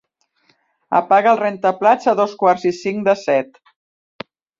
Apaga el rentaplats a dos quarts i cinc de set.